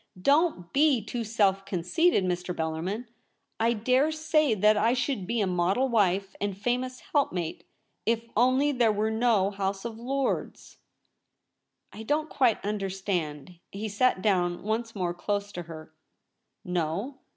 Don't be too self conceited, Mr. Bellarmin. I dare say that I should be a model wife and famous helpmate if only there were no House of Lords.' * I don't quite understand.' He sat down once more close to her. ' No